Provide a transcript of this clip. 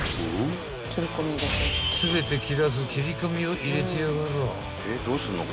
［全て切らず切り込みを入れてやがらぁ］